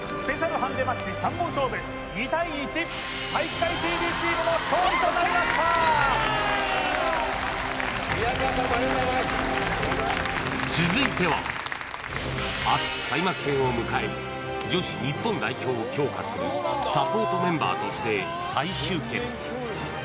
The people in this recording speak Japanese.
ハンデマッチ３本勝負２対１体育会ＴＶチームの勝利となりました宮川さんもありがとうございます明日開幕戦を迎える女子日本代表を強化するサポートメンバーとして再集結